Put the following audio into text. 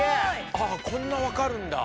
あっこんな分かるんだ。